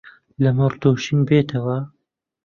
لە مەڕ دۆشین بێتەوە